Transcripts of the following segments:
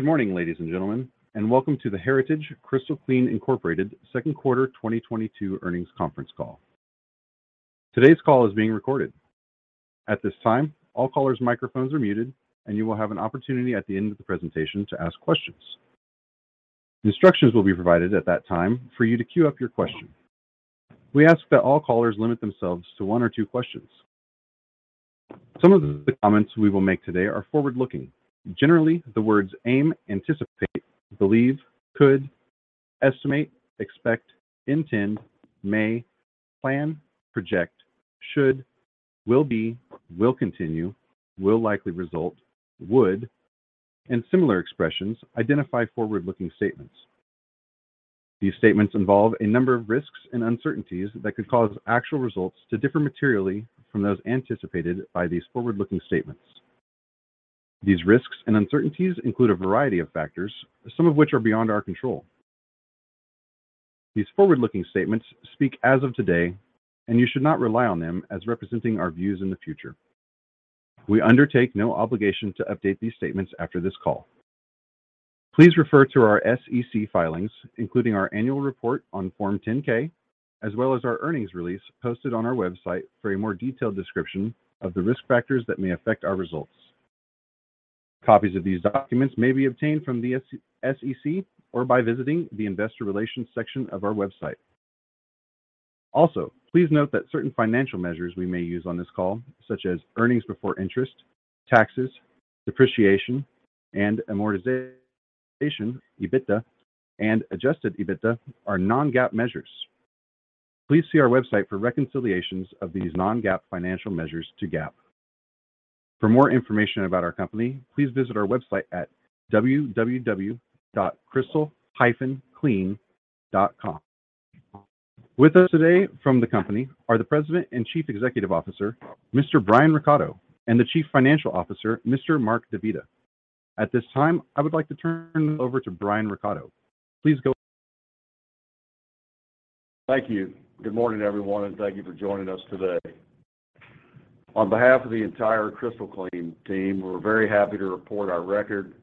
Good morning, ladies and gentlemen, and welcome to the Heritage-Crystal Clean, Inc. second quarter 2022 earnings conference call. Today's call is being recorded. At this time, all callers' microphones are muted, and you will have an opportunity at the end of the presentation to ask questions. Instructions will be provided at that time for you to queue up your question. We ask that all callers limit themselves to one or two questions. Some of the comments we will make today are forward-looking. Generally, the words aim, anticipate, believe, could, estimate, expect, intend, may, plan, project, should, will be, will continue, will likely result, would, and similar expressions identify forward-looking statements. These statements involve a number of risks and uncertainties that could cause actual results to differ materially from those anticipated by these forward-looking statements. These risks and uncertainties include a variety of factors, some of which are beyond our control. These forward-looking statements speak as of today, and you should not rely on them as representing our views in the future. We undertake no obligation to update these statements after this call. Please refer to our SEC filings, including our annual report on Form 10-K, as well as our earnings release posted on our website for a more detailed description of the risk factors that may affect our results. Copies of these documents may be obtained from the SEC or by visiting the investor relations section of our website. Also, please note that certain financial measures we may use on this call, such as earnings before interest, taxes, depreciation, and amortization, EBITDA, and adjusted EBITDA, are non-GAAP measures. Please see our website for reconciliations of these non-GAAP financial measures to GAAP. For more information about our company, please visit our website at www.crystal-clean.com. With us today from the company are the President and Chief Executive Officer, Mr. Brian Recatto, and the Chief Financial Officer, Mr. Mark DeVita. At this time, I would like to turn it over to Brian Recatto. Please go. Thank you. Good morning, everyone, and thank you for joining us today. On behalf of the entire Crystal Clean team, we're very happy to report our record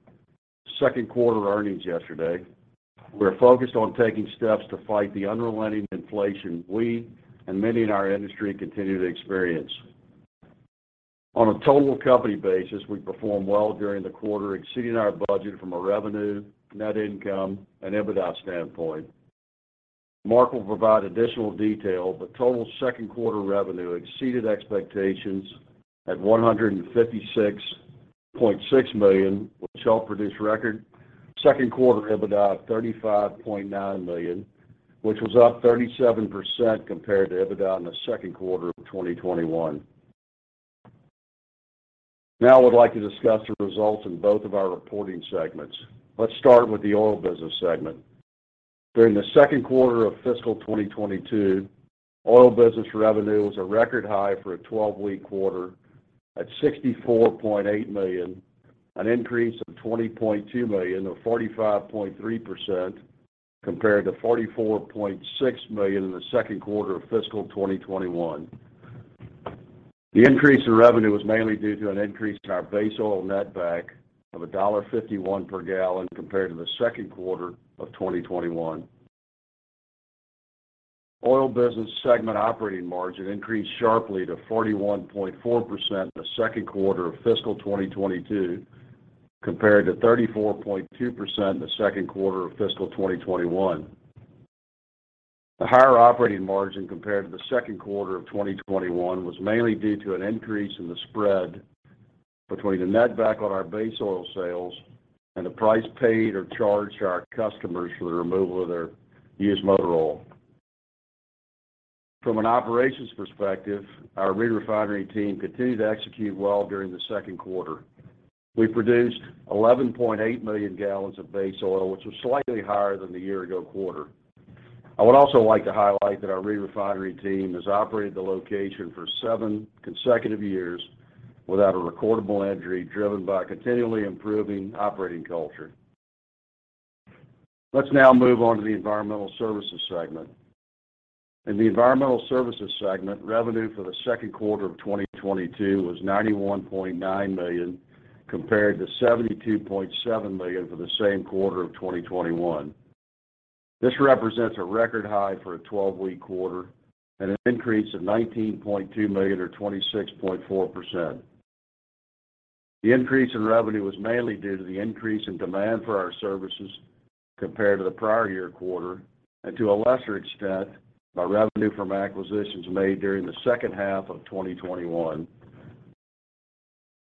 second quarter earnings yesterday. We're focused on taking steps to fight the unrelenting inflation we and many in our industry continue to experience. On a total company basis, we performed well during the quarter, exceeding our budget from a revenue, net income, and EBITDA standpoint. Mark will provide additional detail, but total second quarter revenue exceeded expectations at $156.6 million, which helped produce record second quarter EBITDA of $35.9 million, which was up 37% compared to EBITDA in the second quarter of 2021. Now I would like to discuss the results in both of our reporting segments. Let's start with the Oil Business segment. During the second quarter of fiscal 2022, Oil Business revenue was a record high for a 12-week quarter at $64.8 million, an increase of $20.2 million or 45.3% compared to $44.6 million in the second quarter of fiscal 2021. The increase in revenue was mainly due to an increase in our base oil netback of $1.51 per gallon compared to the second quarter of 2021. Oil Business segment operating margin increased sharply to 41.4% in the second quarter of fiscal 2022 compared to 34.2% in the second quarter of fiscal 2021. The higher operating margin compared to the second quarter of 2021 was mainly due to an increase in the spread between the netback on our base oil sales and the price paid or charged to our customers for the removal of their used motor oil. From an operations perspective, our re-refinery team continued to execute well during the second quarter. We produced 11.8 million gallons of base oil, which was slightly higher than the year ago quarter. I would also like to highlight that our re-refinery team has operated the location for seven consecutive years without a recordable injury driven by continually improving operating culture. Let's now move on to the Environmental Services segment. In the Environmental Services segment, revenue for the second quarter of 2022 was $91.9 million compared to $72.7 million for the same quarter of 2021. This represents a record high for a 12-week quarter and an increase of $19.2 million or 26.4%. The increase in revenue was mainly due to the increase in demand for our services compared to the prior-year quarter, and to a lesser extent, by revenue from acquisitions made during the second half of 2021.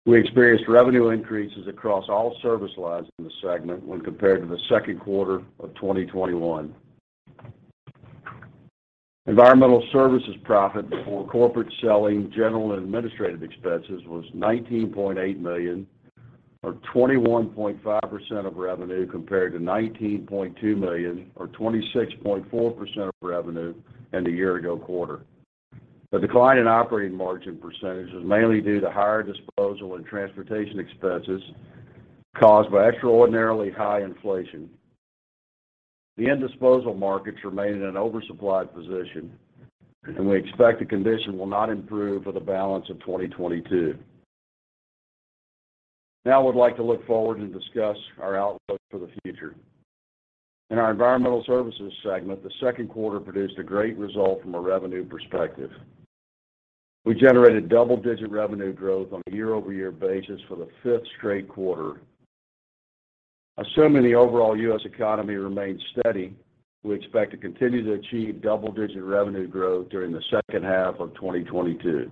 We experienced revenue increases across all service lines in the segment when compared to the second quarter of 2021. Environmental Services profit before corporate selling, general, and administrative expenses was $19.8 million or 21.5% of revenue compared to $19.2 million or 26.4% of revenue in the year-ago quarter. The decline in operating margin percentage was mainly due to higher disposal and transportation expenses caused by extraordinarily high inflation. The end disposal markets remain in an oversupplied position, and we expect the condition will not improve for the balance of 2022. Now we'd like to look forward and discuss our outlook for the future. In our Environmental Services segment, the second quarter produced a great result from a revenue perspective. We generated double-digit revenue growth on a year-over-year basis for the fifth straight quarter. Assuming the overall U.S. economy remains steady, we expect to continue to achieve double-digit revenue growth during the second half of 2022.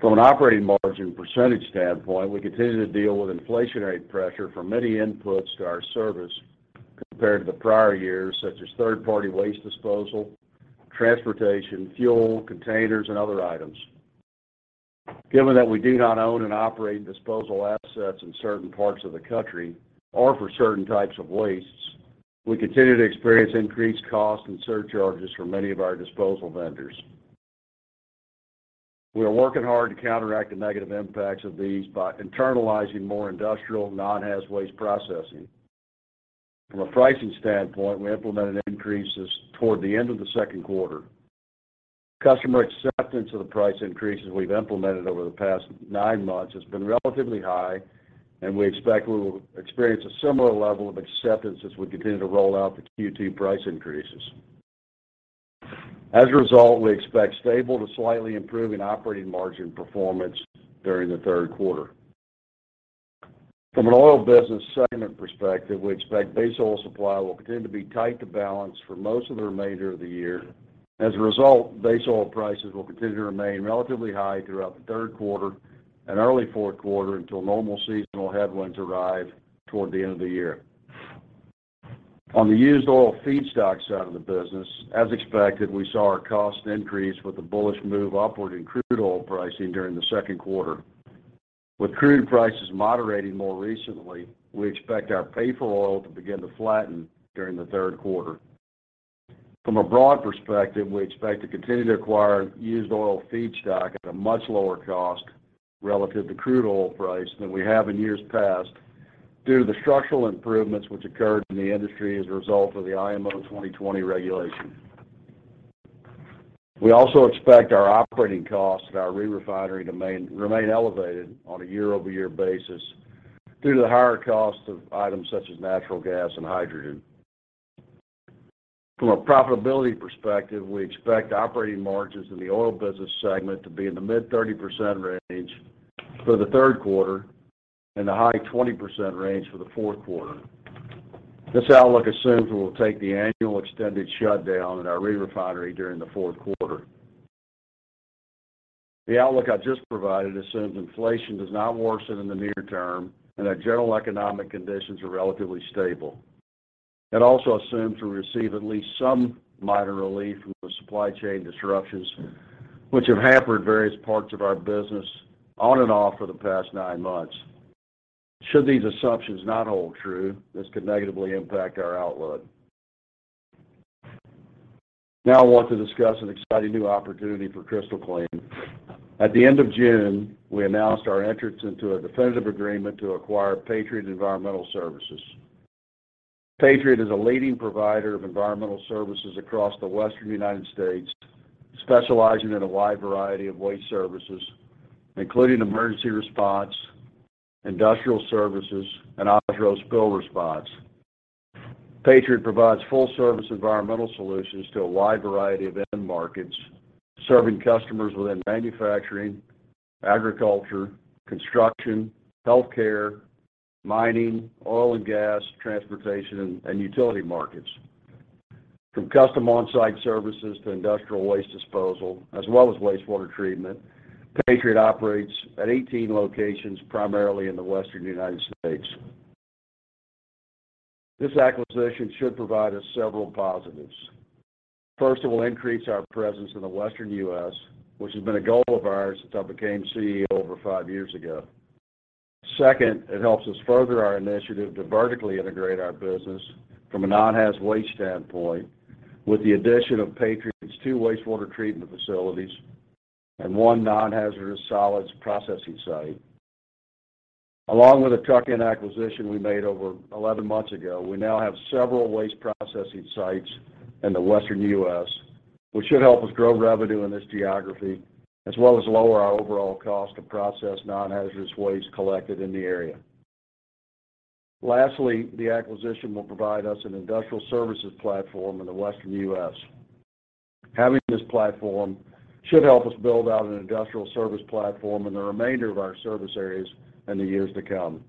From an operating margin percentage standpoint, we continue to deal with inflationary pressure from many inputs to our service compared to the prior years, such as third-party waste disposal, transportation, fuel, containers, and other items. Given that we do not own and operate disposal assets in certain parts of the country or for certain types of wastes, we continue to experience increased costs and surcharges from many of our disposal vendors. We are working hard to counteract the negative impacts of these by internalizing more industrial non-haz waste processing. From a pricing standpoint, we implemented increases toward the end of the second quarter. Customer acceptance of the price increases we've implemented over the past nine months has been relatively high, and we expect we will experience a similar level of acceptance as we continue to roll out the Q2 price increases. As a result, we expect stable to slightly improving operating margin performance during the third quarter. From an Oil Business segment perspective, we expect base oil supply will continue to be tight to balance for most of the remainder of the year. As a result, base oil prices will continue to remain relatively high throughout the third quarter and early fourth quarter until normal seasonal headwinds arrive toward the end of the year. On the used oil feedstock side of the business, as expected, we saw our cost increase with the bullish move upward in crude oil pricing during the second quarter. With crude prices moderating more recently, we expect our pay-for-oil to begin to flatten during the third quarter. From a broad perspective, we expect to continue to acquire used oil feedstock at a much lower cost relative to crude oil price than we have in years past due to the structural improvements which occurred in the industry as a result of the IMO 2020 regulation. We also expect our operating costs at our re-refinery to remain elevated on a year-over-year basis due to the higher cost of items such as natural gas and hydrogen. From a profitability perspective, we expect operating margins in the Oil Business segment to be in the mid-30% range for the third quarter and the high-20% range for the fourth quarter. This outlook assumes we will take the annual extended shutdown at our re-refinery during the fourth quarter. The outlook I just provided assumes inflation does not worsen in the near term and that general economic conditions are relatively stable. It also assumes we receive at least some minor relief from the supply chain disruptions which have hampered various parts of our business on and off for the past nine months. Should these assumptions not hold true, this could negatively impact our outlook. Now I want to discuss an exciting new opportunity for Heritage-Crystal Clean. At the end of June, we announced our entrance into a definitive agreement to acquire Patriot Environmental Services. Patriot is a leading provider of Environmental Services across the Western United States, specializing in a wide variety of waste services, including emergency response, industrial services, and on-road spill response. Patriot provides full-service environmental solutions to a wide variety of end markets, serving customers within manufacturing, agriculture, construction, healthcare, mining, oil and gas, transportation, and utility markets. From custom on-site services to industrial waste disposal, as well as wastewater treatment, Patriot operates at 18 locations, primarily in the Western United States. This acquisition should provide us several positives. First, it will increase our presence in the Western U.S., which has been a goal of ours since I became CEO over five years ago. Second, it helps us further our initiative to vertically integrate our business from a non-haz waste standpoint with the addition of Patriot's two wastewater treatment facilities and one non-hazardous solids processing site. Along with a tuck-in acquisition we made over 11 months ago, we now have several waste processing sites in the Western U.S., which should help us grow revenue in this geography as well as lower our overall cost to process non-hazardous waste collected in the area. Lastly, the acquisition will provide us an industrial services platform in the Western U.S. Having this platform should help us build out an industrial service platform in the remainder of our service areas in the years to come.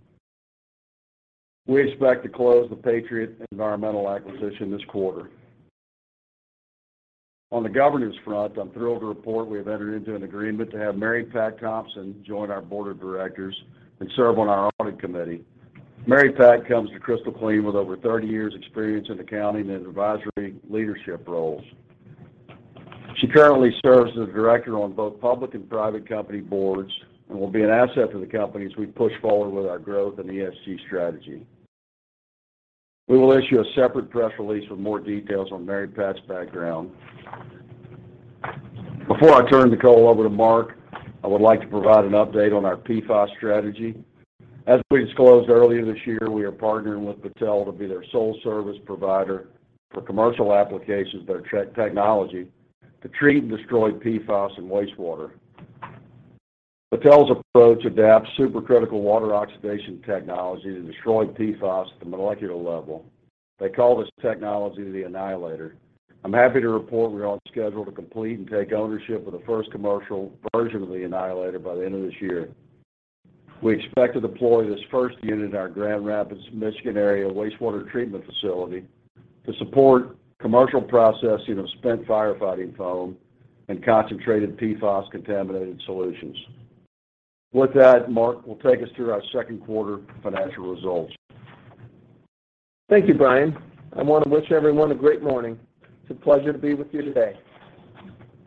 We expect to close the Patriot Environmental acquisition this quarter. On the governance front, I'm thrilled to report we have entered into an agreement to have Mary Pat Thompson join our Board of Directors and serve on our Audit Committee. Mary Pat comes to Crystal Clean with over 30 years experience in accounting and advisory leadership roles. She currently serves as a Director on both public and private company boards and will be an asset to the company as we push forward with our growth and ESG strategy. We will issue a separate press release with more details on Mary Pat's background. Before I turn the call over to Mark, I would like to provide an update on our PFAS strategy. As we disclosed earlier this year, we are partnering with Battelle to be their sole service provider for commercial applications of their technology to treat and destroy PFAS in wastewater. Battelle's approach adapts supercritical water oxidation technology to destroy PFAS at the molecular level. They call this technology the PFAS Annihilator. I'm happy to report we are on schedule to complete and take ownership of the first commercial version of the PFAS Annihilator by the end of this year. We expect to deploy this first unit in our Grand Rapids, Michigan area wastewater treatment facility to support commercial processing of spent firefighting foam and concentrated PFAS contaminated solutions. With that, Mark will take us through our second quarter financial results. Thank you, Brian. I wanna wish everyone a great morning. It's a pleasure to be with you today.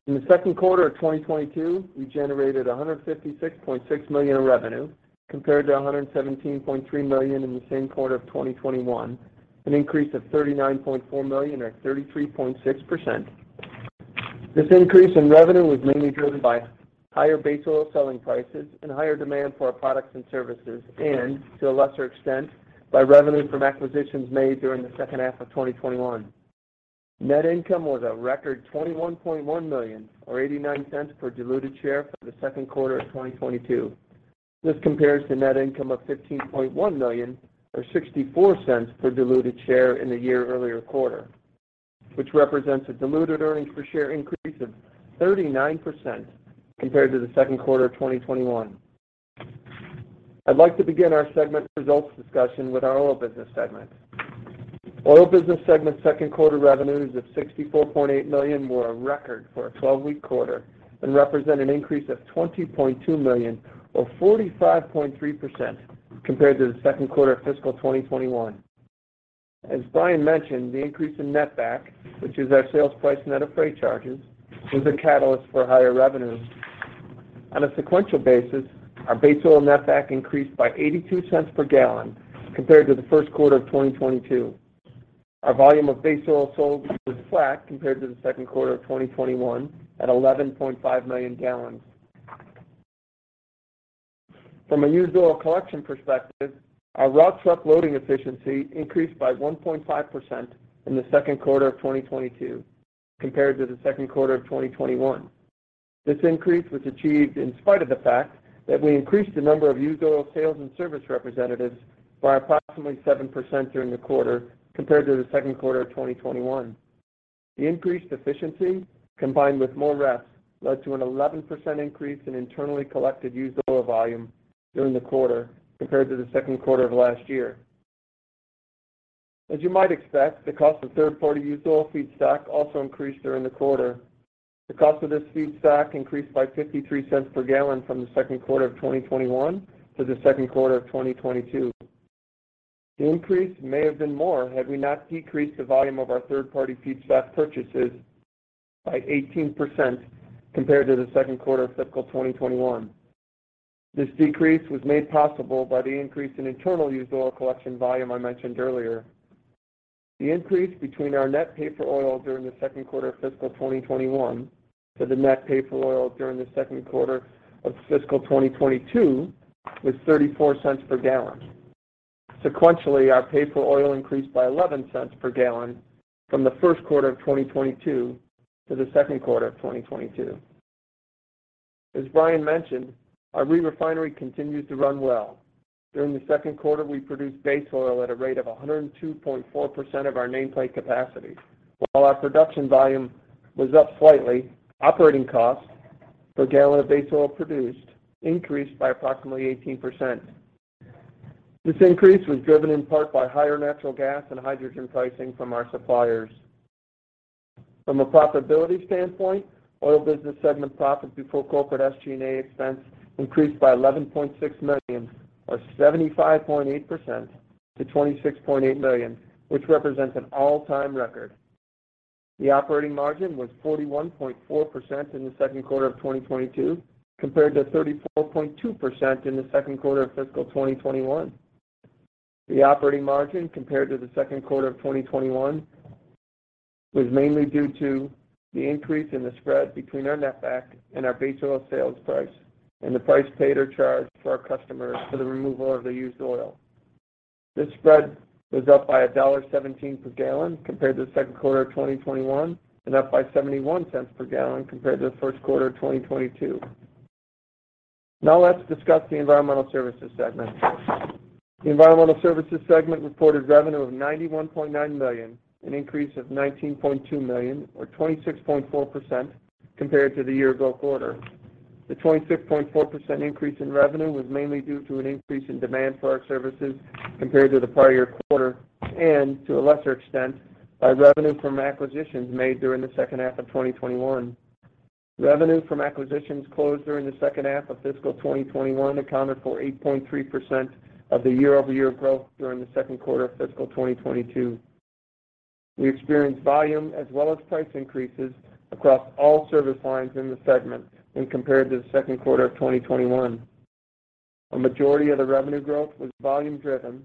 In the second quarter of 2022, we generated $156.6 million in revenue compared to $117.3 million in the same quarter of 2021, an increase of $39.4 million or 33.6%. This increase in revenue was mainly driven by higher base oil selling prices and higher demand for our products and services, and to a lesser extent, by revenue from acquisitions made during the second half of 2021. Net income was a record $21.1 million or $0.89 per diluted share for the second quarter of 2022. This compares to net income of $15.1 million or $0.64 per diluted share in the year earlier quarter, which represents a diluted earnings per share increase of 39% compared to the second quarter of 2021. I'd like to begin our segment results discussion with our Oil Business segment. Oil Business segment second quarter revenues of $64.8 million were a record for a 12-week quarter and represent an increase of $20.2 million or 45.3% compared to the second quarter of fiscal 2021. As Brian mentioned, the increase in netback, which is our sales price net of freight charges, was a catalyst for higher revenues. On a sequential basis, our base oil netback increased by $0.82 per gallon compared to the first quarter of 2022. Our volume of base oil sold was flat compared to the second quarter of 2021 at 11.5 million gallons. From a used oil collection perspective, our raw truck loading efficiency increased by 1.5% in the second quarter of 2022 compared to the second quarter of 2021. This increase was achieved in spite of the fact that we increased the number of used oil sales and service representatives by approximately 7% during the quarter compared to the second quarter of 2021. The increased efficiency combined with more reps led to an 11% increase in internally collected used oil volume during the quarter compared to the second quarter of last year. As you might expect, the cost of third-party used oil feedstock also increased during the quarter. The cost of this feedstock increased by $0.53 per gallon from the second quarter of 2021 to the second quarter of 2022. The increase may have been more had we not decreased the volume of our third-party feedstock purchases by 18% compared to the second quarter of fiscal 2021. This decrease was made possible by the increase in internal used oil collection volume I mentioned earlier. The increase between our net paid for oil during the second quarter of fiscal 2021 to the net paid for oil during the second quarter of fiscal 2022 was $0.34 per gallon. Sequentially, our paid for oil increased by $0.11 per gallon from the first quarter of 2022 to the second quarter of 2022. As Brian mentioned, our re-refinery continues to run well. During the second quarter, we produced base oil at a rate of 102.4% of our nameplate capacity. While our production volume was up slightly, operating costs per gallon of base oil produced increased by approximately 18%. This increase was driven in part by higher natural gas and hydrogen pricing from our suppliers. From a profitability standpoint, Oil Business segment profit before corporate SG&A expense increased by $11.6 million or 75.8% to $26.8 million, which represents an all-time record. The operating margin was 41.4% in the second quarter of 2022 compared to 34.2% in the second quarter of fiscal 2021. The operating margin compared to the second quarter of 2021 was mainly due to the increase in the spread between our netback and our base oil sales price, and the price paid or charged for our customers for the removal of the used oil. This spread was up by $1.17 per gallon compared to the second quarter of 2021, and up by $0.71 per gallon compared to the first quarter of 2022. Now let's discuss the Environmental Services segment. The Environmental Services segment reported revenue of $91.9 million, an increase of $19.2 million or 26.4% compared to the year-ago quarter. The 26.4% increase in revenue was mainly due to an increase in demand for our services compared to the prior year quarter, and to a lesser extent, by revenue from acquisitions made during the second half of 2021. Revenue from acquisitions closed during the second half of fiscal 2021 accounted for 8.3% of the year-over-year growth during the second quarter of fiscal 2022. We experienced volume as well as price increases across all service lines in the segment when compared to the second quarter of 2021. A majority of the revenue growth was volume-driven,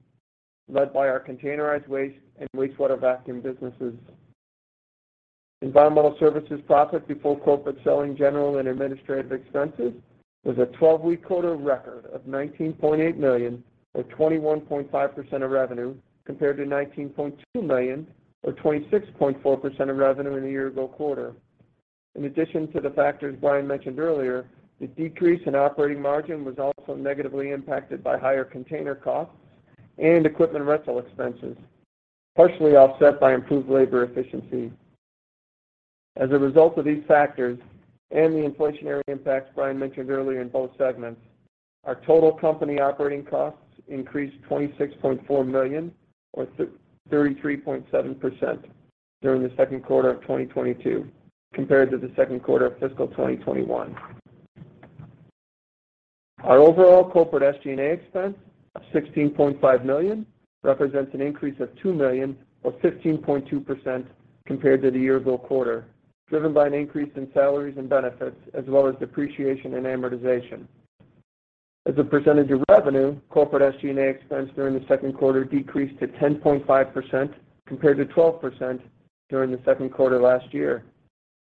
led by our containerized waste and wastewater vacuum businesses. Environmental Services profit before corporate selling, general and administrative expenses was a 12-week quarter record of $19.8 million, or 21.5% of revenue, compared to $19.2 million, or 26.4% of revenue in the year-ago quarter. In addition to the factors Brian mentioned earlier, the decrease in operating margin was also negatively impacted by higher container costs and equipment rental expenses, partially offset by improved labor efficiency. As a result of these factors and the inflationary impacts Brian mentioned earlier in both segments, our total company operating costs increased $26.4 million, or 33.7% during the second quarter of 2022 compared to the second quarter of fiscal 2021. Our overall corporate SG&A expense of $16.5 million represents an increase of $2 million or 15.2% compared to the year-ago quarter, driven by an increase in salaries and benefits as well as depreciation and amortization. As a percentage of revenue, corporate SG&A expense during the second quarter decreased to 10.5% compared to 12% during the second quarter last year.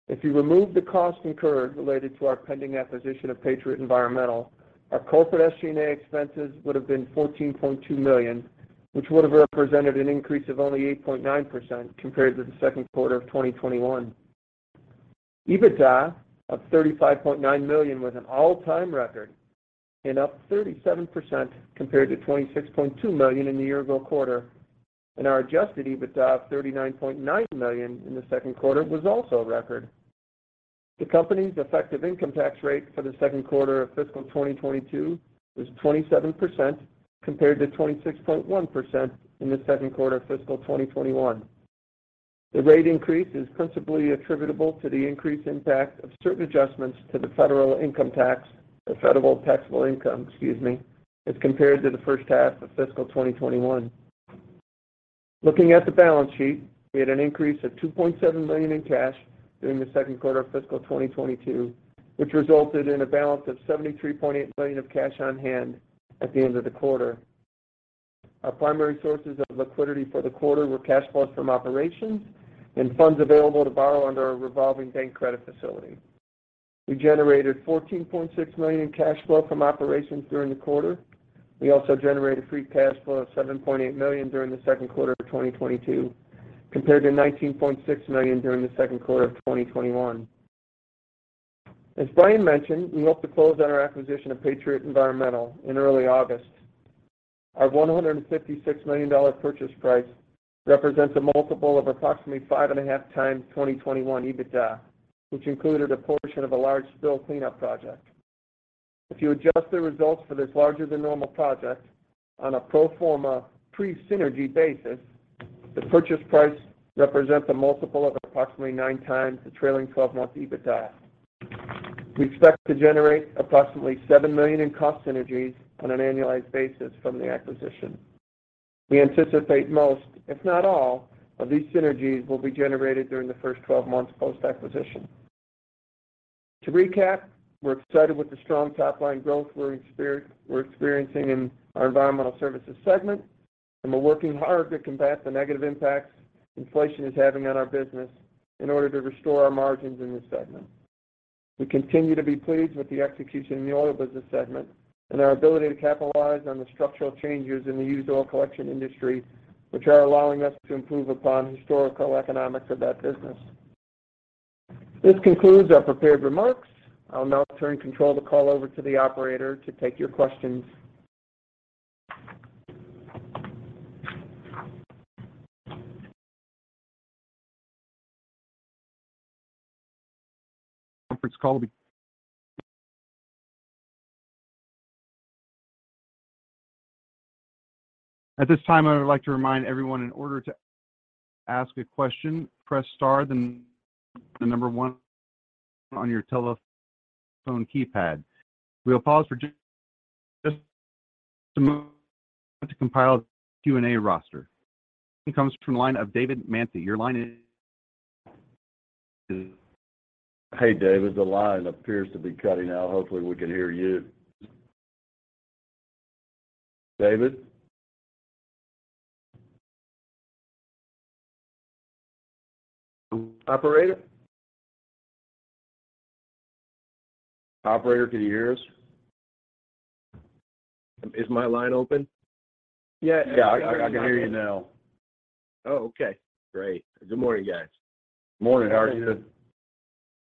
If you remove the cost incurred related to our pending acquisition of Patriot Environmental, our corporate SG&A expenses would have been $14.2 million, which would have represented an increase of only 8.9% compared to the second quarter of 2021. EBITDA of $35.9 million was an all-time record and up 37% compared to $26.2 million in the year-ago quarter. Our adjusted EBITDA of $39.9 million in the second quarter was also a record. The company's effective income tax rate for the second quarter of fiscal 2022 was 27%, compared to 26.1% in the second quarter of fiscal 2021. The rate increase is principally attributable to the increased impact of certain adjustments to the federal income tax or federal taxable income, excuse me, as compared to the first half of fiscal 2021. Looking at the balance sheet, we had an increase of $2.7 million in cash during the second quarter of fiscal 2022, which resulted in a balance of $73.8 million of cash on hand at the end of the quarter. Our primary sources of liquidity for the quarter were cash flows from operations and funds available to borrow under our revolving bank credit facility. We generated $14.6 million in cash flow from operations during the quarter. We also generated free cash flow of $7.8 million during the second quarter of 2022, compared to $19.6 million during the second quarter of 2021. As Brian mentioned, we hope to close on our acquisition of Patriot Environmental in early August. Our $156 million purchase price represents a multiple of approximately 5.5x 2021 EBITDA, which included a portion of a large spill cleanup project. If you adjust the results for this larger than normal project on a pro forma pre-synergy basis, the purchase price represents a multiple of approximately 9x the trailing 12-month EBITDA. We expect to generate approximately $7 million in cost synergies on an annualized basis from the acquisition. We anticipate most, if not all, of these synergies will be generated during the first 12 months post-acquisition. To recap, we're excited with the strong top line growth we're experiencing in our Environmental Services segment, and we're working hard to combat the negative impacts inflation is having on our business in order to restore our margins in this segment. We continue to be pleased with the execution in the Oil Business segment and our ability to capitalize on the structural changes in the used oil collection industry, which are allowing us to improve upon historical economics of that business. This concludes our prepared remarks. I'll now turn control of the call over to the operator to take your questions. At this time, I would like to remind everyone in order to ask a question, press star then one on your telephone keypad. We'll pause for just a moment to compile Q&A roster. Comes from the line of David Manthey. Your line is open. Hey, David. The line appears to be cutting out. Hopefully, we can hear you. David? Operator? Operator, can you hear us? Is my line open? Yeah. Yeah, I can hear you now. Oh, okay. Great. Good morning, guys. Morning. How are you?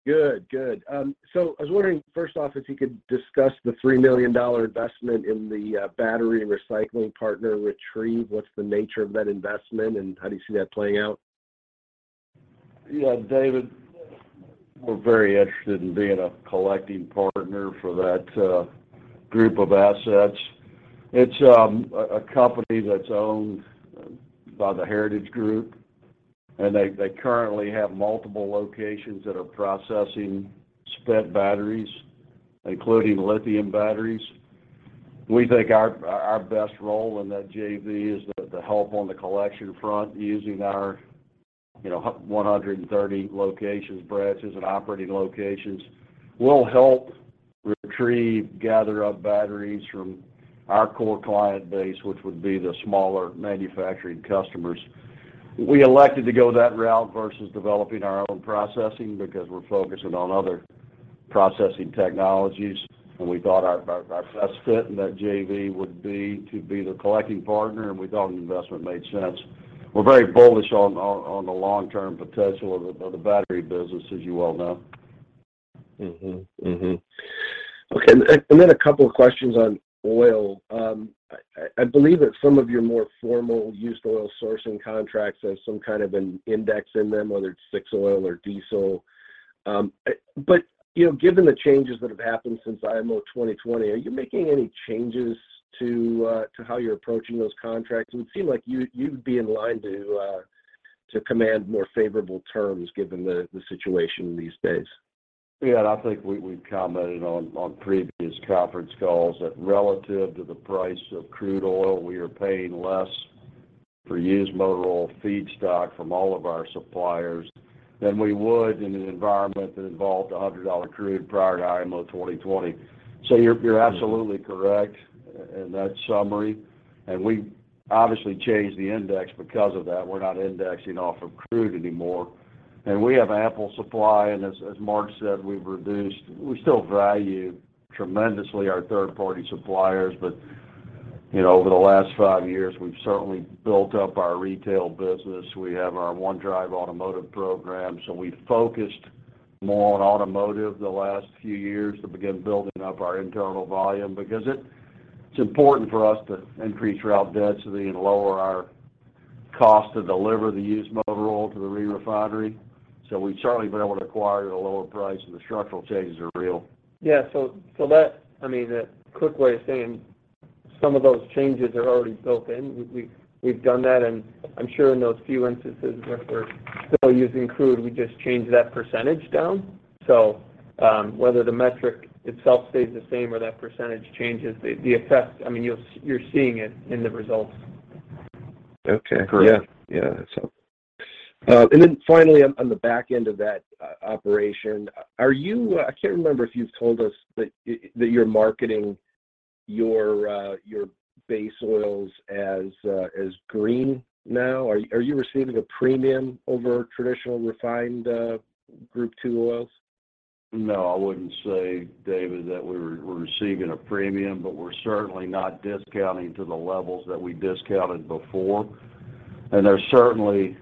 I was wondering, first off, if you could discuss the $3 million investment in the battery recycling partner, Retriev. What's the nature of that investment, and how do you see that playing out? Yeah, David, we're very interested in being a collecting partner for that group of assets. It's a company that's owned by the Heritage Group, and they currently have multiple locations that are processing spent batteries, including lithium batteries. We think our best role in that JV is the help on the collection front using our, you know, 130 locations, branches, and operating locations will help retrieve, gather up batteries from our core client base, which would be the smaller manufacturing customers. We elected to go that route versus developing our own processing because we're focusing on other processing technologies, and we thought our best fit in that JV would be to be the collecting partner, and we thought an investment made sense. We're very bullish on the long-term potential of the battery business, as you well know. A couple of questions on oil. I believe that some of your more formal used oil sourcing contracts have some kind of an index in them, whether it's No. 6 oil or diesel. You know, given the changes that have happened since IMO 2020, are you making any changes to how you're approaching those contracts? It would seem like you'd be in line to command more favorable terms given the situation these days. Yeah. I think we've commented on previous conference calls that relative to the price of crude oil, we are paying less for used motor oil feedstock from all of our suppliers than we would in an environment that involved a $100 crude prior to IMO 2020. You're absolutely correct in that summary, and we obviously changed the index because of that. We're not indexing off of crude anymore. We have ample supply, and as Mark said, we've reduced. We still value tremendously our third-party suppliers, but you know, over the last five years, we've certainly built up our retail business. We have our One Drive Automotive Program, so we've focused more on automotive the last few years to begin building up our internal volume because it's important for us to increase route density and lower our cost to deliver the used motor oil to the re-refinery. We've certainly been able to acquire at a lower price, and the structural changes are real. Yeah, that's, I mean, a quick way of saying some of those changes are already built in. We've done that, and I'm sure in those few instances where we're still using crude, we just change that percentage down. Whether the metric itself stays the same or that percentage changes, the effect, I mean, you're seeing it in the results. Okay. Correct. Finally on the back end of that operation, I can't remember if you've told us that you're marketing your base oils as green now. Are you receiving a premium over traditional refined Group II oils? No, I wouldn't say, David, that we're receiving a premium, but we're certainly not discounting to the levels that we discounted before. There's certainly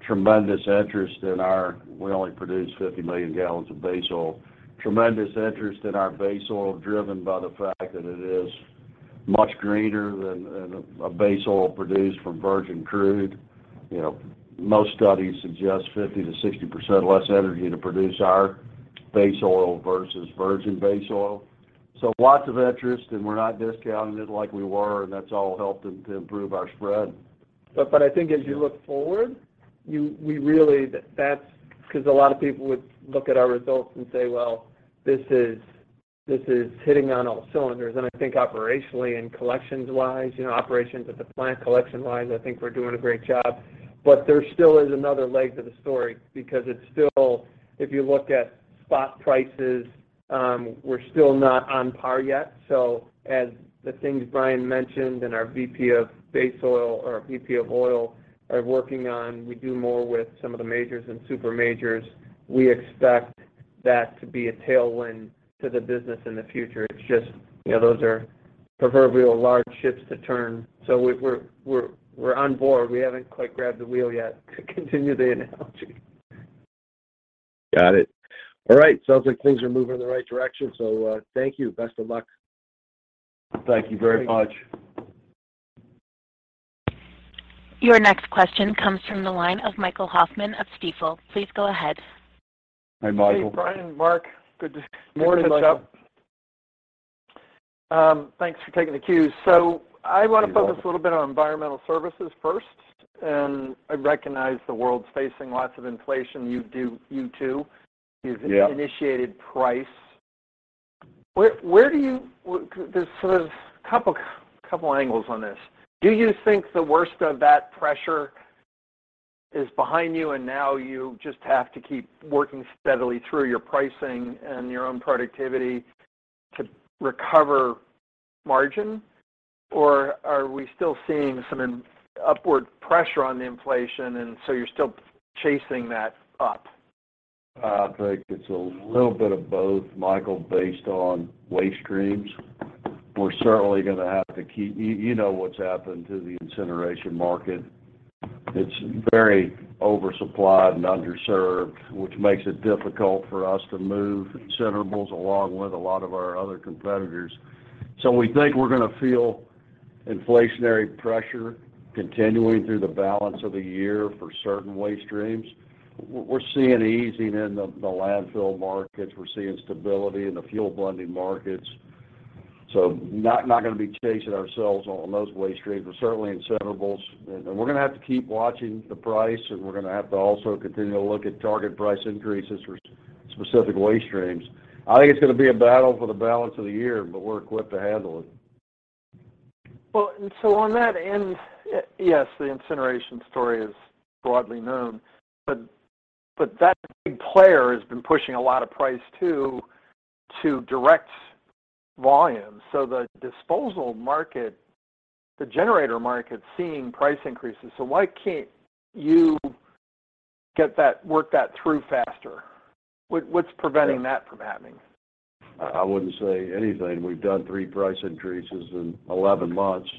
tremendous interest in our base oil. We only produce 50 million gallons of base oil. Tremendous interest in our base oil driven by the fact that it is much greener than a base oil produced from virgin crude. You know, most studies suggest 50%-60% less energy to produce our base oil versus virgin base oil. Lots of interest, and we're not discounting it like we were, and that's all helped to improve our spread. I think as you look forward, 'cause a lot of people would look at our results and say, "Well, this is hitting on all cylinders." I think operationally and collections wise, you know, operations at the plant collection wise, I think we're doing a great job. There still is another leg to the story because it's still. If you look at spot prices, we're still not on par yet. As the things Brian mentioned and our VP of base oil or our VP of oil are working on, we do more with some of the majors and super majors. We expect that to be a tailwind to the business in the future. It's just, you know, those are proverbial large ships to turn. We're on board. We haven't quite grabbed the wheel yet, to continue the analogy. Got it. All right. Sounds like things are moving in the right direction. Thank you. Best of luck. Thank you very much. Thank you. Your next question comes from the line of Michael Hoffman of Stifel. Please go ahead. Hi, Michael. Hey, Brian, Mark. Morning, Michael. Catch up. Thanks for taking the Q's. I wanna focus a little bit on Environmental Services first. I recognize the world's facing lots of inflation. You do—you too. Yeah. You've initiated pricing. There's sort of couple angles on this. Do you think the worst of that pressure is behind you and now you just have to keep working steadily through your pricing and your own productivity to recover margin? Or are we still seeing some upward pressure on the inflation, and so you're still chasing that up? I think it's a little bit of both, Michael, based on waste streams. We're certainly gonna have to keep. You know what's happened to the incineration market. It's very oversupplied and underserved, which makes it difficult for us to move incinerables along with a lot of our other competitors. We think we're gonna feel inflationary pressure continuing through the balance of the year for certain waste streams. We're seeing easing in the landfill markets. We're seeing stability in the fuel blending markets. Not gonna be chasing ourselves on those waste streams, but certainly incinerables. We're gonna have to keep watching the price, and we're gonna have to also continue to look at target price increases for specific waste streams. I think it's gonna be a battle for the balance of the year, but we're equipped to handle it. On that end, yes, the incineration story is broadly known, but that big player has been pushing a lot of price too to direct volume. The disposal market, the generator market's seeing price increases. Why can't you work that through faster? What's preventing that from happening? I wouldn't say anything. We've done three price increases in 11 months.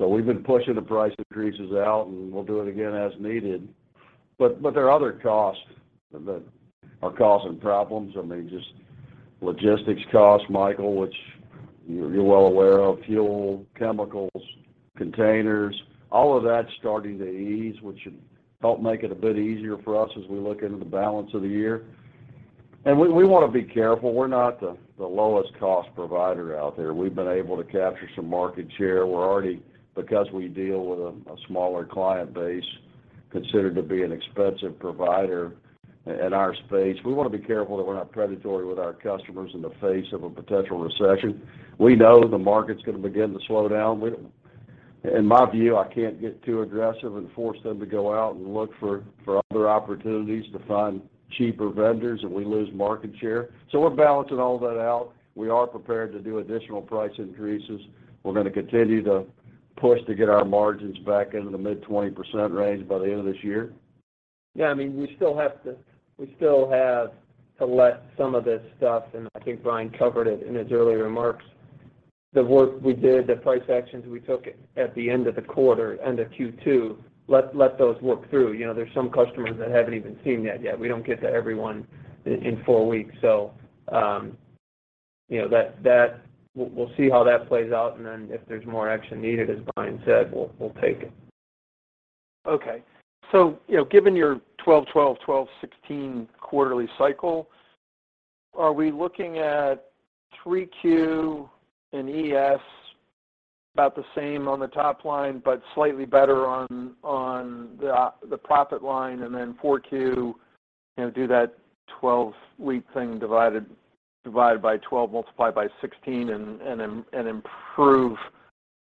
We've been pushing the price increases out, and we'll do it again as needed. But there are other costs that are causing problems. I mean, just logistics costs, Michael, which you're well aware of. Fuel, chemicals, containers, all of that's starting to ease, which should help make it a bit easier for us as we look into the balance of the year. We wanna be careful. We're not the lowest cost provider out there. We've been able to capture some market share. We're already, because we deal with a smaller client base, considered to be an expensive provider in our space. We wanna be careful that we're not predatory with our customers in the face of a potential recession. We know the market's gonna begin to slow down. In my view, I can't get too aggressive and force them to go out and look for other opportunities to find cheaper vendors, and we lose market share. We're balancing all that out. We are prepared to do additional price increases. We're gonna continue to push to get our margins back into the mid-20% range by the end of this year. Yeah, I mean, we still have to let some of this stuff, and I think Brian covered it in his earlier remarks, the work we did, the price actions we took at the end of the quarter, end of Q2, let those work through. You know, there's some customers that haven't even seen that yet. We don't get to everyone in four weeks. So, you know, that. We'll see how that plays out, and then if there's more action needed, as Brian said, we'll take it. You know, given your 12-12-12-16 quarterly cycle, are we looking at 3Q in ES about the same on the top line, but slightly better on the profit line, and then 4Q, you know, do that 12-week thing divided by 12, multiplied by 16, and improve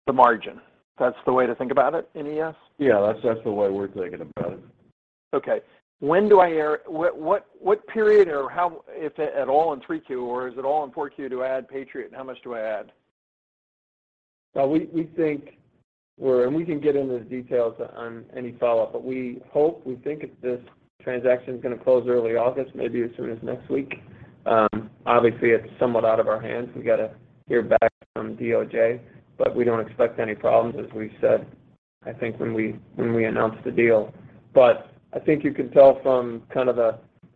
the margin? That's the way to think about it in ES? Yeah. That's the way we're thinking about it. Okay. What period or how, if at all in 3Q, or is it all in 4Q to add Patriot, and how much do I add? Well, we think we're. We can get into the details on any follow-up, but we hope, we think this transaction is gonna close early August, maybe as soon as next week. Obviously, it's somewhat out of our hands. We gotta hear back from DOJ, but we don't expect any problems, as we said, I think when we announced the deal. I think you can tell from kind of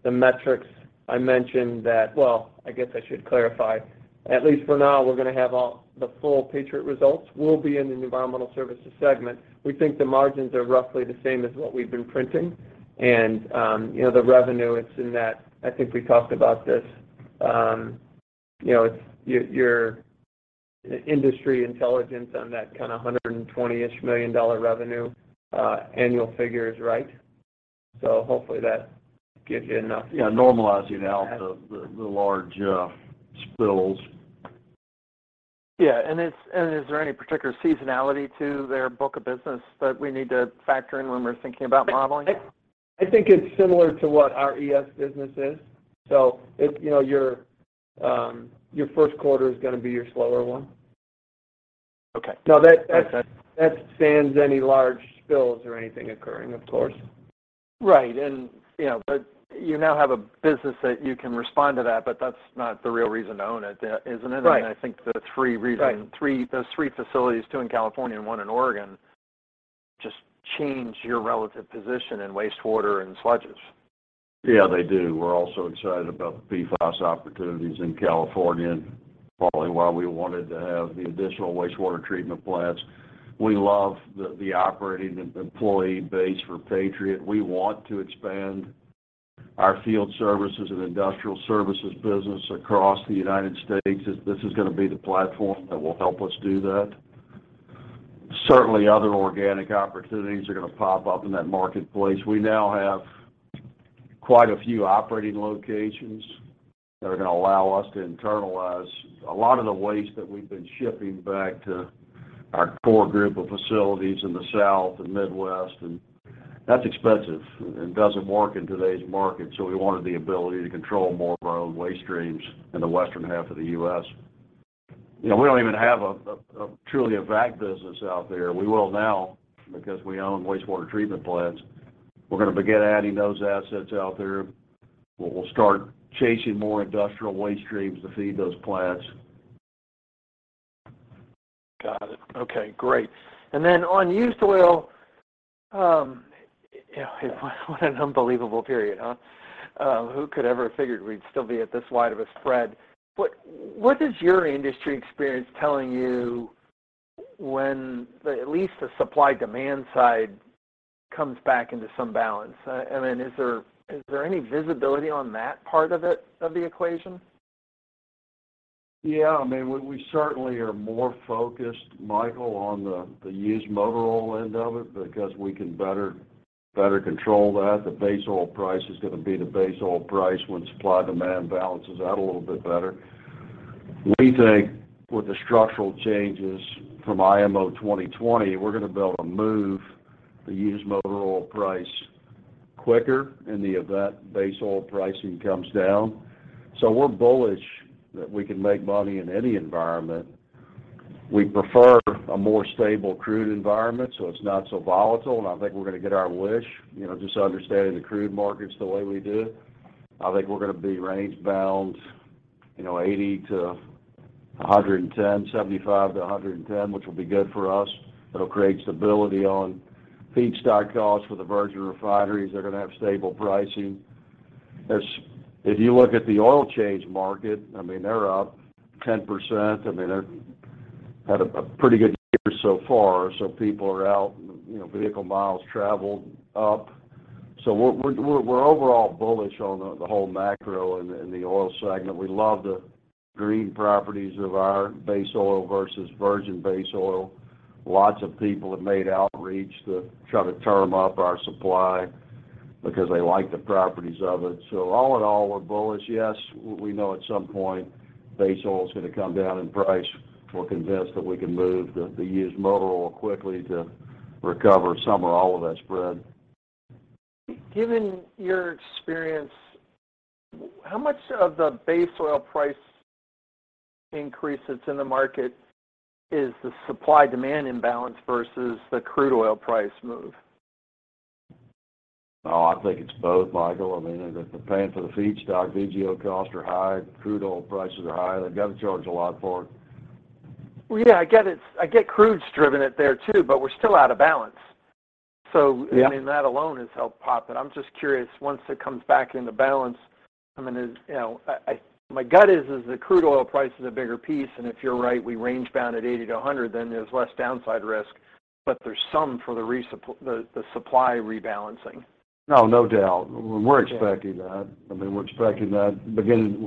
the metrics I mentioned that. Well, I guess I should clarify. At least for now, we're gonna have all the full Patriot results will be in the Environmental Services segment. We think the margins are roughly the same as what we've been printing. You know, the revenue, it's in that. I think we talked about this. You know, your industry intelligence on that kind of $120-ish million annual revenue figure is right. Hopefully that gives you enough. Yeah, normalizing out the large spills. Yeah. Is there any particular seasonality to their book of business that we need to factor in when we're thinking about modeling? I think it's similar to what our ES business is. If you know, your first quarter is gonna be your slower one. Okay. No, that. Okay. Absent any large spills or anything occurring, of course. Right. You know, but you now have a business that you can respond to that, but that's not the real reason to own it, isn't it? Right. I think the three reasons. Right. Those three facilities, two in California and one in Oregon, just change your relative position in wastewater and sludges. Yeah, they do. We're also excited about the PFAS opportunities in California, and probably why we wanted to have the additional wastewater treatment plants. We love the operating employee base for Patriot. We want to expand our field services and industrial services business across the United States. This is gonna be the platform that will help us do that. Certainly, other organic opportunities are gonna pop up in that marketplace. We now have quite a few operating locations that are gonna allow us to internalize a lot of the waste that we've been shipping back to our core group of facilities in the South and Midwest, and that's expensive and doesn't work in today's market. We wanted the ability to control more of our own waste streams in the western half of the U.S. You know, we don't even have a truly Vac business out there. We will now because we own wastewater treatment plants. We're gonna begin adding those assets out there. We'll start chasing more industrial waste streams to feed those plants. Got it. Okay, great. On used oil, you know, what an unbelievable period, huh? Who could ever have figured we'd still be at this wide of a spread? What is your industry experience telling you when at least the supply-demand side comes back into some balance? Is there any visibility on that part of it, of the equation? Yeah, I mean, we certainly are more focused, Michael, on the used motor oil end of it because we can better control that. The base oil price is going to be the base oil price when supply demand balances out a little bit better. We think with the structural changes from IMO 2020, we're gonna be able to move the used motor oil price quicker in the event base oil pricing comes down. So we're bullish that we can make money in any environment. We prefer a more stable crude environment, so it's not so volatile, and I think we're gonna get our wish, you know, just understanding the crude markets the way we do. I think we're gonna be range bound, you know, 80-110, 75-110, which will be good for us. It'll create stability on feedstock costs for the virgin refineries. They're gonna have stable pricing. If you look at the oil change market, I mean, they're up 10%. I mean, they've had a pretty good year so far, so people are out and, you know, vehicle miles traveled up. We're overall bullish on the whole macro in the oil segment. We love the green properties of our base oil versus virgin base oil. Lots of people have made outreach to try to term up our supply because they like the properties of it. All in all, we're bullish. Yes, we know at some point, base oil is gonna come down in price. We're convinced that we can move the used motor oil quickly to recover some or all of that spread. Given your experience, how much of the base oil price increase that's in the market is the supply demand imbalance versus the crude oil price move? Oh, I think it's both, Michael. I mean, they're paying for the feedstock. VGO costs are high. Crude oil prices are high. They've got to charge a lot for it. Well, yeah, I get it. I get crude's driven it there too, but we're still out of balance. Yeah. I mean, that alone has helped pop it. I'm just curious, once it comes back into balance, I mean, you know, my gut is the crude oil price is a bigger piece, and if you're right, we're range bound at $80-$100, then there's less downside risk. There's some for the supply rebalancing. No doubt. We're expecting that. I mean,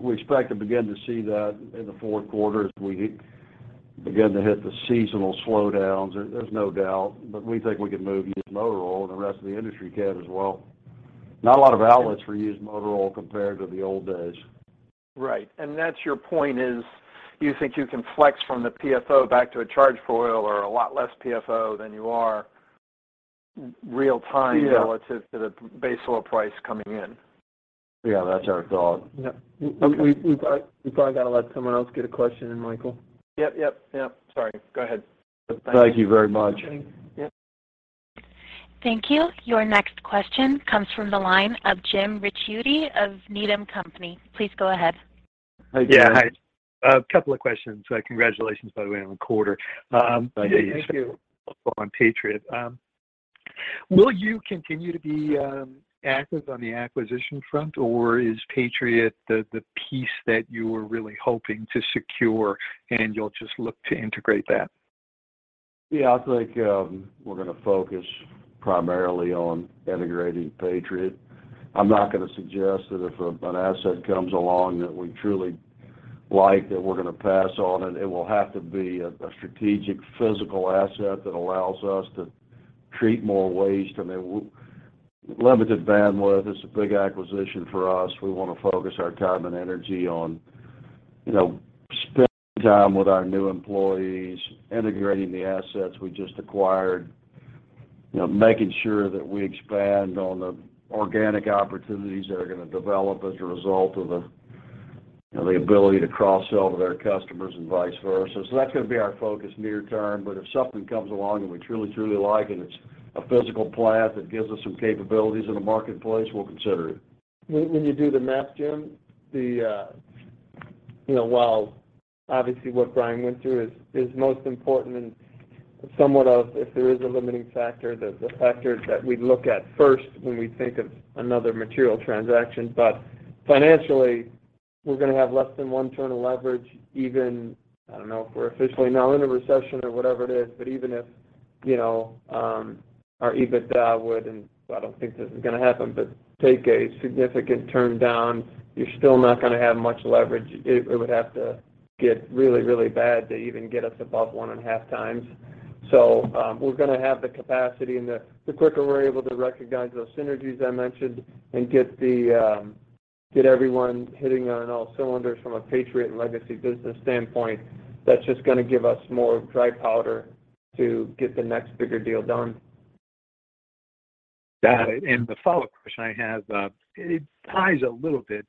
we expect to begin to see that in the fourth quarter as we begin to hit the seasonal slowdowns. There's no doubt. We think we can move used motor oil, and the rest of the industry can as well. Not a lot of outlets for used motor oil compared to the old days. Right. That's your point is you think you can flex from the PFO back to a charge-for-oil or a lot less PFO than you are real time. Yeah. relative to the base oil price coming in. Yeah, that's our thought. Yeah. We probably got to let someone else get a question in, Michael. Yep. Sorry. Go ahead. Thank you very much. Okay. Yep. Thank you. Your next question comes from the line of Jim Ricchiuti of Needham & Company. Please go ahead. Hi, Jim. Yeah, hi. A couple of questions. Congratulations, by the way, on the quarter. Thank you. On Patriot, will you continue to be active on the acquisition front, or is Patriot the piece that you were really hoping to secure, and you'll just look to integrate that? Yeah, I think we're gonna focus primarily on integrating Patriot. I'm not gonna suggest that if an asset comes along that we truly like that we're gonna pass on it. It will have to be a strategic physical asset that allows us to treat more waste. I mean, we have limited bandwidth. It's a big acquisition for us. We wanna focus our time and energy on, you know, spending time with our new employees, integrating the assets we just acquired, you know, making sure that we expand on the organic opportunities that are gonna develop as a result of the, you know, the ability to cross-sell to their customers and vice versa. That's gonna be our focus near term. If something comes along and we truly like and it's a physical plant that gives us some capabilities in the marketplace, we'll consider it. When you do the math, Jim, you know, while obviously what Brian went through is most important and somewhat of if there is a limiting factor, the factors that we'd look at first when we think of another material transaction. Financially, we're gonna have less than one turn of leverage, even I don't know if we're officially now in a recession or whatever it is, but even if, you know, our EBITDA would, and I don't think this is gonna happen, but take a significant turn down, you're still not gonna have much leverage. It would have to get really bad to even get us above 1.5x. We're gonna have the capacity, and the quicker we're able to recognize those synergies I mentioned and get everyone hitting on all cylinders from a Patriot and Legacy business standpoint, that's just gonna give us more dry powder to get the next bigger deal done. Got it. The follow-up question I have, it ties a little bit,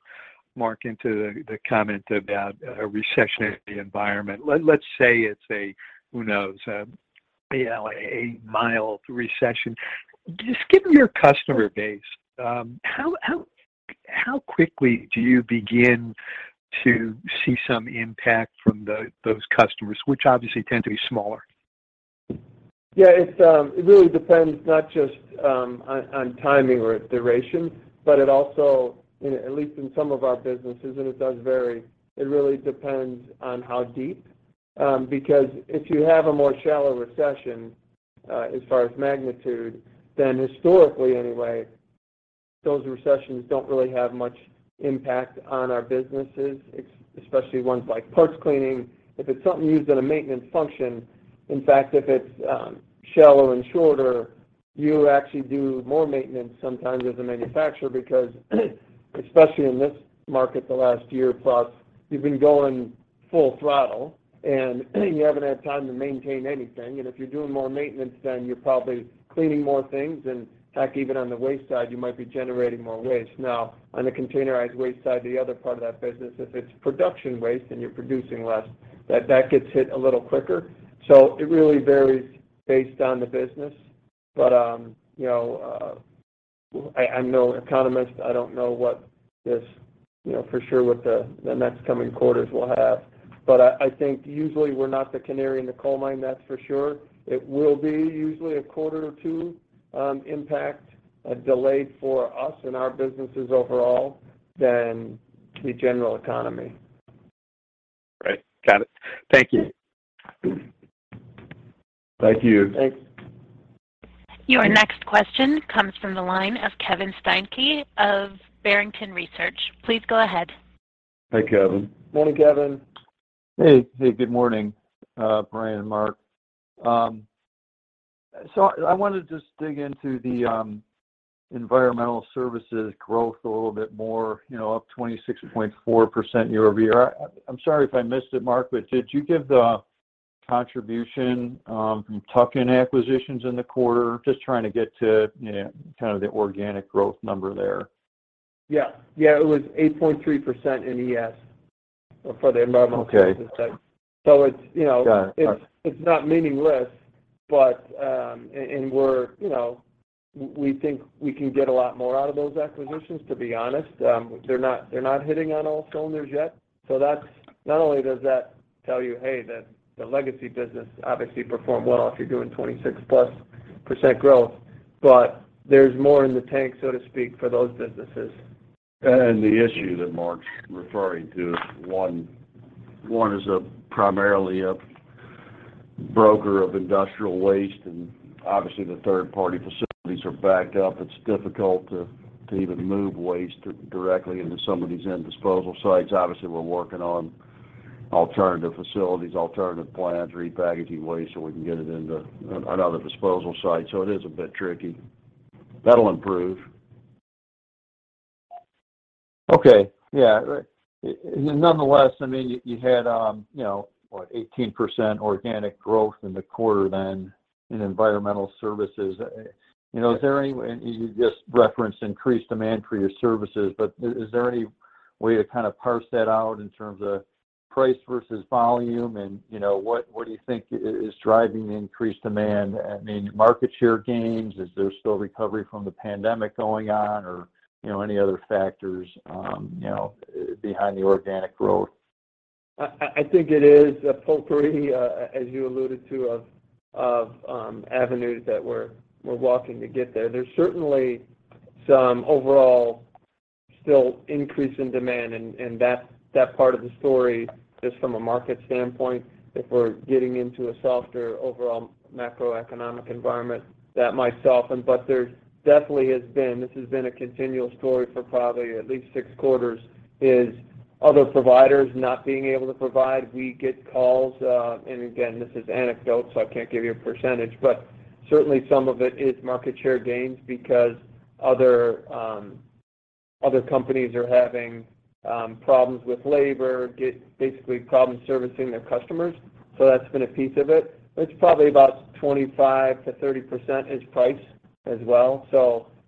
Mark, into the comment about a recessionary environment. Let's say it's a, who knows, you know, a mild recession. Just given your customer base, how quickly do you begin to see some impact from those customers, which obviously tend to be smaller? Yeah, it really depends not just on timing or duration, but it also, you know, at least in some of our businesses, and it does vary, it really depends on how deep. Because if you have a more shallow recession as far as magnitude, then historically anyway. Those recessions don't really have much impact on our businesses, especially ones like parts cleaning. If it's something used in a maintenance function, in fact, if it's shallow and shorter, you actually do more maintenance sometimes as a manufacturer because especially in this market the last year plus, you've been going full throttle and you haven't had time to maintain anything. If you're doing more maintenance, then you're probably cleaning more things. In fact, even on the waste side, you might be generating more waste. Now, on the containerized waste side, the other part of that business, if it's production waste and you're producing less, that gets hit a little quicker. It really varies based on the business. You know, I'm no economist. I don't know for sure what the next coming quarters will have. I think usually we're not the canary in the coal mine, that's for sure. It will usually be a quarter or two impact, a delay for us and our businesses overall than the general economy. Right. Got it. Thank you. Thank you. Thanks. Your next question comes from the line of Kevin Steinke of Barrington Research. Please go ahead. Hey, Kevin. Morning, Kevin. Hey. Hey, good morning, Brian and Mark. I wanted to just dig into the Environmental Services growth a little bit more, you know, up 26.4% year-over-year. I'm sorry if I missed it, Mark, but did you give the contribution from tuck-in acquisitions in the quarter? Just trying to get to, you know, kind of the organic growth number there. Yeah. Yeah, it was 8.3% in ES for the Environmental Services side. Okay. Got it. It's, you know, it's not meaningless, but and we're, you know, we think we can get a lot more out of those acquisitions, to be honest. They're not hitting on all cylinders yet. That's not only does that tell you, hey, the legacy business obviously performed well if you're doing 26%+ growth, but there's more in the tank, so to speak, for those businesses. The issue that Mark's referring to, one is primarily a broker of industrial waste, and obviously the third-party facilities are backed up. It's difficult to even move waste directly into some of these end disposal sites. Obviously, we're working on alternative facilities, alternative plans, repackaging waste so we can get it into another disposal site. It is a bit tricky. That'll improve. Okay. Yeah. Right. Nonetheless, I mean, you had, you know, what, 18% organic growth in the quarter then in Environmental Services. You know, is there any way to kind of parse that out in terms of price versus volume? And, you know, what do you think is driving the increased demand? I mean, market share gains? Is there still recovery from the pandemic going on? Or, you know, any other factors, you know, behind the organic growth? I think it is a potpourri, as you alluded to, of avenues that we're walking to get there. There's certainly some overall still increase in demand, and that part of the story, just from a market standpoint, if we're getting into a softer overall macroeconomic environment, that might soften. There definitely has been a continual story for probably at least six quarters, [that] is other providers not being able to provide. We get calls, and again, this is anecdotal, so I can't give you a percentage, but certainly some of it is market share gains because other companies are having problems with labor, getting basically problems servicing their customers. That's been a piece of it. It's probably about 25%-30% is price as well.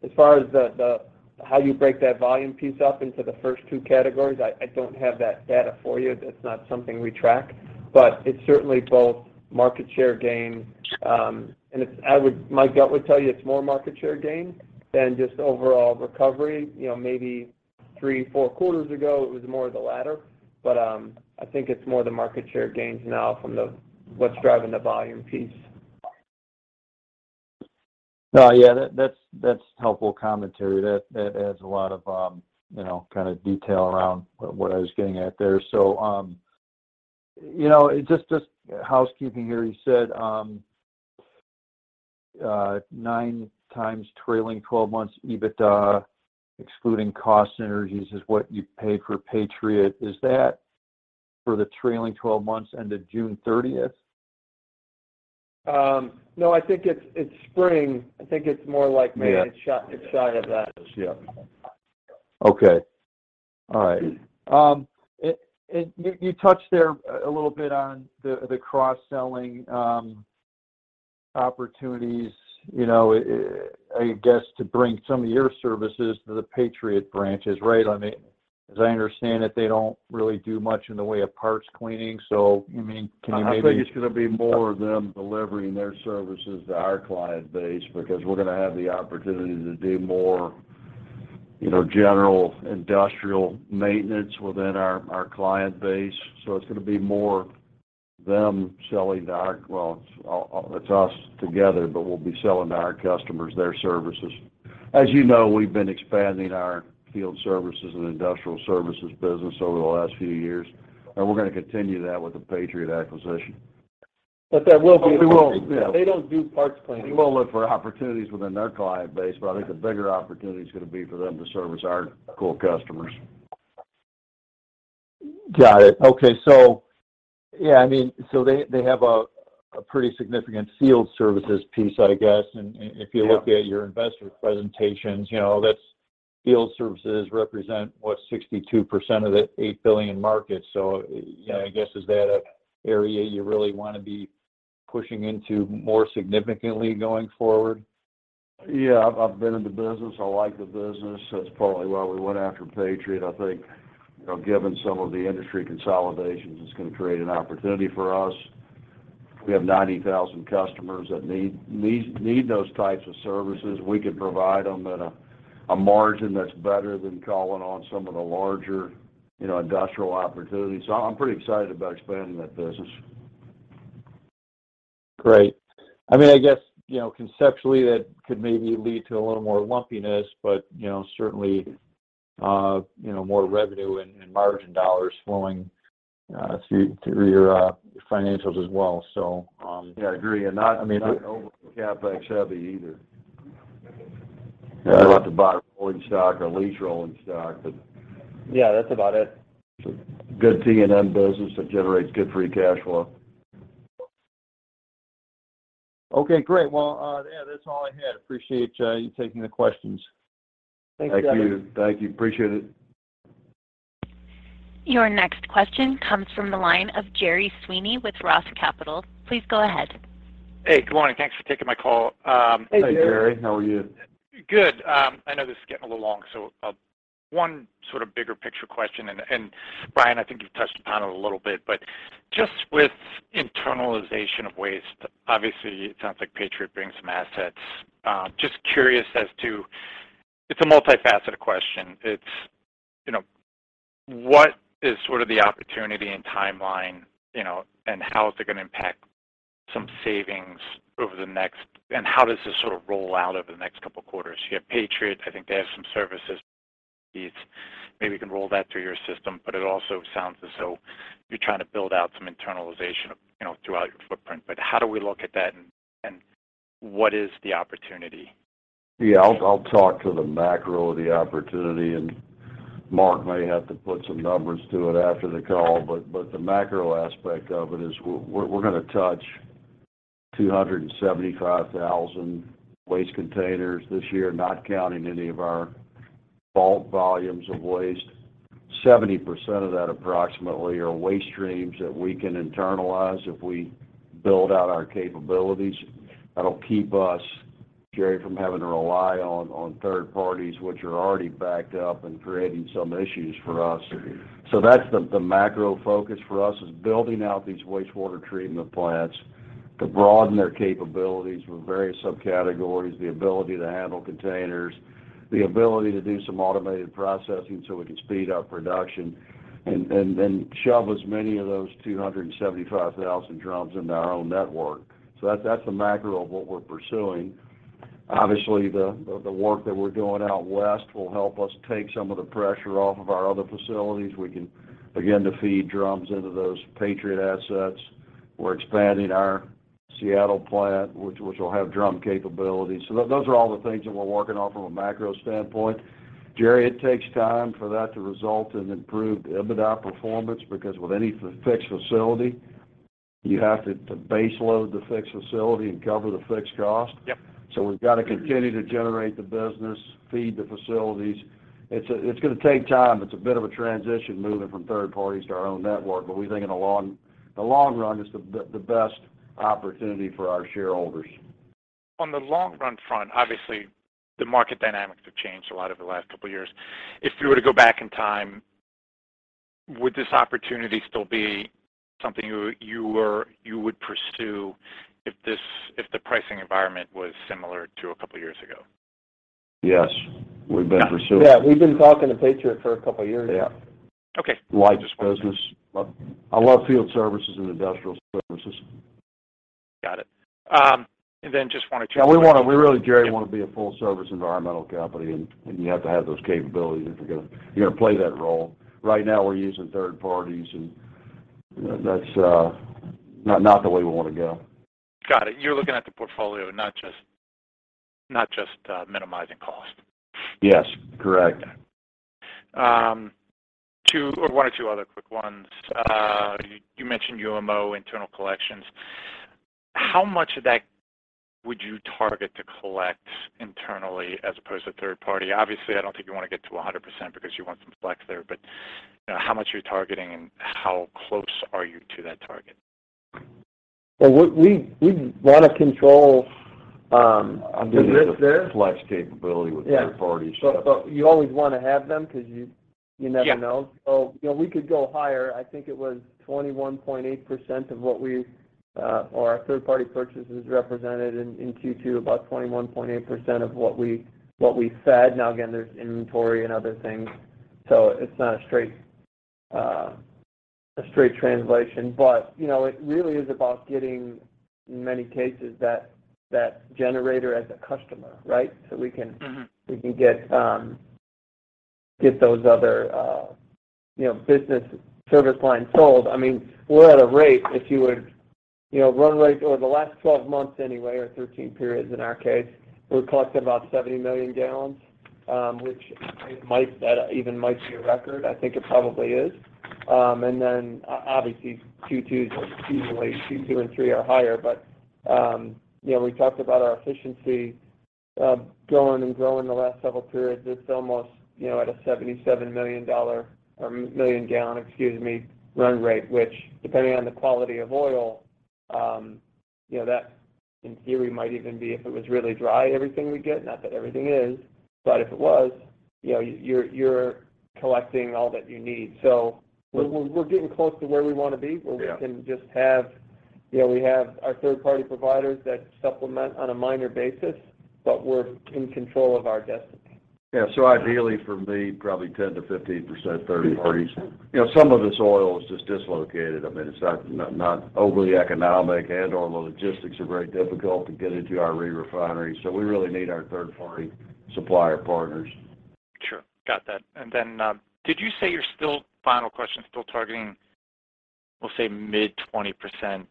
As far as the, how you break that volume piece up into the first two categories? I don't have that data for you. That's not something we track. It's certainly both market share gain, and it's my gut would tell you it's more market share gain than just overall recovery. You know, maybe three, four quarters ago, it was more of the latter, but I think it's more the market share gains now from what's driving the volume piece. No, yeah, that's helpful commentary. That adds a lot of, you know, kind of detail around what I was getting at there. You know, just housekeeping here, you said 9x trailing 12 months EBITDA, excluding cost synergies, is what you paid for Patriot. Is that for the trailing 12 months end of June 30th? No, I think it's spring. I think it's more like maybe a shot of that. Yeah. Okay. All right. You touched there a little bit on the cross-selling opportunities, you know, I guess, to bring some of your services to the Patriot branches, right? I mean, as I understand it, they don't really do much in the way of parts cleaning. I mean, can you maybe- I think it's gonna be more of them delivering their services to our client base because we're gonna have the opportunity to do more, you know, general industrial maintenance within our client base. It's gonna be more them selling to our well, it's us together, but we'll be selling to our customers their services. As you know, we've been expanding our field services and industrial services business over the last few years, and we're gonna continue that with the Patriot acquisition. That will be. We will, yeah. They don't do parts cleaning. We will look for opportunities within their client base, but I think the bigger opportunity is gonna be for them to service our core customers. Got it. Okay. Yeah, I mean, they have a pretty significant field services piece, I guess. If you look at your investor presentations, you know, that's field services represent, what, 62% of the $8 billion market. You know, I guess, is that an area you really wanna be pushing into more significantly going forward? Yeah. I've been in the business. I like the business. That's probably why we went after Patriot. I think, you know, given some of the industry consolidations, it's gonna create an opportunity for us. We have 90,000 customers that need those types of services. We can provide them at a margin that's better than calling on some of the larger, you know, industrial opportunities. I'm pretty excited about expanding that business. Great. I mean, I guess, you know, conceptually, that could maybe lead to a little more lumpiness, but, you know, certainly, you know, more revenue and margin dollars flowing through your financials as well. So. Yeah, I agree. I mean. Not overly CapEx heavy either. Yeah. You don't have to buy rolling stock or lease rolling stock, but. Yeah, that's about it. It's a good P&L business that generates good free cash flow. Okay, great. Well, yeah, that's all I had. Appreciate you taking the questions. Thanks, Kevin. Thank you. Thank you. Appreciate it. Your next question comes from the line of Gerry Sweeney with Roth Capital Partners. Please go ahead. Hey, good morning. Thanks for taking my call. Hey, Gerry. How are you? Good. I know this is getting a little long, so, one sort of bigger picture question, and Brian, I think you've touched upon it a little bit. Just with internalization of waste, obviously, it sounds like Patriot brings some assets. Just curious as to. It's a multifaceted question. It's, you know, what is sort of the opportunity and timeline, you know, and how is it gonna impact some savings over the next. How does this sort of roll out over the next couple of quarters? You have Patriot, I think they have some services. Maybe you can roll that through your system, but it also sounds as though you're trying to build out some internalization, you know, throughout your footprint. How do we look at that, and what is the opportunity? Yeah. I'll talk to the macro of the opportunity, and Mark may have to put some numbers to it after the call. The macro aspect of it is we're gonna touch 275,000 waste containers this year, not counting any of our bulk volumes of waste. 70% of that approximately are waste streams that we can internalize if we build out our capabilities. That'll keep us, Gerry, from having to rely on third parties, which are already backed up and creating some issues for us. That's the macro focus for us is building out these wastewater treatment plants to broaden their capabilities with various subcategories, the ability to handle containers, the ability to do some automated processing so we can speed up production and shove as many of those 275,000 drums into our own network. That's the macro of what we're pursuing. Obviously, the work that we're doing out west will help us take some of the pressure off of our other facilities. We can begin to feed drums into those Patriot assets. We're expanding our Seattle plant, which will have drum capabilities. Those are all the things that we're working on from a macro standpoint. Gerry, it takes time for that to result in improved EBITDA performance because with any fixed facility, you have to base load the fixed facility and cover the fixed cost. Yep. We've got to continue to generate the business, feed the facilities. It's gonna take time. It's a bit of a transition moving from third parties to our own network, but we think in the long run, it's the best opportunity for our shareholders. On the long run front, obviously, the market dynamics have changed a lot over the last couple of years. If we were to go back in time, would this opportunity still be something you would pursue if the pricing environment was similar to a couple of years ago? Yes. We've been pursuing. Yeah. We've been talking to Patriot for a couple of years. Yeah. Okay. I like this business. I love field services and industrial services. Got it. Just wanted to. Yeah. We really, Gerry, wanna be a full service environmental company, and you have to have those capabilities if you're gonna play that role. Right now we're using third parties, and that's not the way we wanna go. Got it. You're looking at the portfolio, not just minimizing cost. Yes, correct. One or two other quick ones. You mentioned UMO internal collections. How much of that would you target to collect internally as opposed to third party? Obviously, I don't think you wanna get to 100% because you want some flex there, but, you know, how much are you targeting, and how close are you to that target? Well, we wanna control the risk there. I mean, it's a flex capability with third party stuff. You always wanna have them 'cause you never know. Yeah. You know, we could go higher. I think it was 21.8% of what we or our third party purchases represented in Q2, about 21.8% of what we fed. Now, again, there's inventory and other things, so it's not a straight translation. You know, it really is about getting, in many cases, that generator as a customer, right? We can- Mm-hmm. We can get those other, you know, business service lines sold. I mean, we're at a rate, if you would, you know, run rate over the last 12 months anyway or 13 periods in our case, we're collecting about 70 million gallons, which even might be a record. I think it probably is. And then obviously two twos are usually two and three are higher. You know, we talked about our efficiency growing and growing the last several periods. It's almost, you know, at a 77 million dollar or million gallon, excuse me, run rate, which depending on the quality of oil, you know, that in theory might even be if it was really dry, everything we get. Not that everything is, but if it was, you know, you're collecting all that you need. We're getting close to where we wanna be. Yeah. You know, we have our third-party providers that supplement on a minor basis, but we're in control of our destiny. Yeah. Ideally for me, probably 10%-15% third parties. You know, some of this oil is just dislocated. I mean, it's not overly economic, and all the logistics are very difficult to get into our re-refinery. We really need our third-party supplier partners. Sure. Got that. Did you say you're still final question, still targeting, we'll say, mid-20%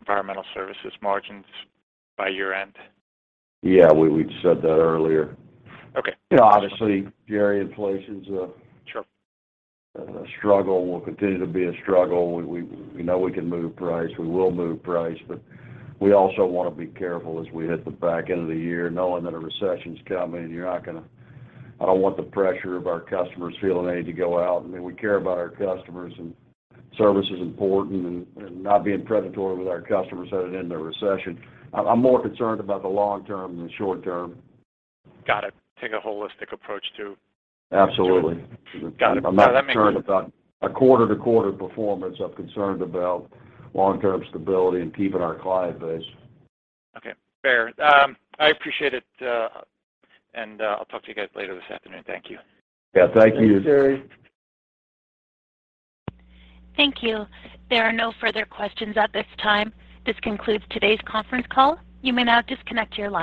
Environmental Services margins by year-end? Yeah, we said that earlier. Okay. You know, obviously, Gerry, inflation's a- Sure. A struggle will continue to be a struggle. We know we can move price. We will move price, but we also wanna be careful as we hit the back end of the year knowing that a recession's coming. I don't want the pressure of our customers feeling they need to go out. I mean, we care about our customers, and service is important, and not being predatory with our customers headed into a recession. I'm more concerned about the long term than the short term. Got it. Take a holistic approach too. Absolutely. Got it. No, that makes sense. I'm not concerned about a quarter-to-quarter performance. I'm concerned about long-term stability and keeping our client base. Okay. Fair. I appreciate it. I'll talk to you guys later this afternoon. Thank you. Yeah, thank you. Thanks, Gerry. Thank you. There are no further questions at this time. This concludes today's conference call. You may now disconnect your line.